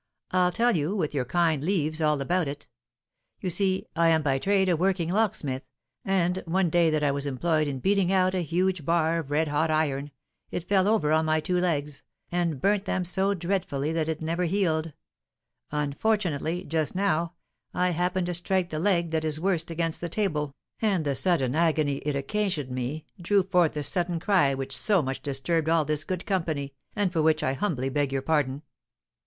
I'll tell you, with your kind leaves, all about it. You see I am by trade a working locksmith, and, one day that I was employed in beating out a huge bar of red hot iron, it fell over on my two legs, and burnt them so dreadfully that it has never healed; unfortunately, just now, I happened to strike the leg that is worst against the table, and the sudden agony it occasioned me drew forth the sudden cry which so much disturbed all this good company, and for which I humbly beg pardon."